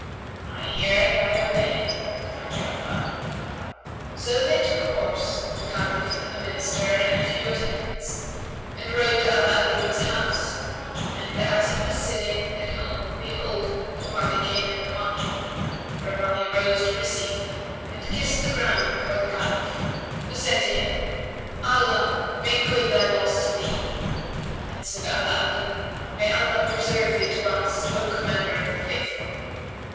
"I hear and I obey," replied Ja'afar. So they took horse, the Caliph and the Minister and a few attendants, and rode to Ala al Din's house and, as he was sitting at home, behold, the party came in upon him; whereupon he rose to receive them and kissed the ground before the Caliph, who said to him, "Allah make good thy loss to thee!" Answered Ala Al Din, "May Allah preserve thee to us, O Commander of the Faithful!"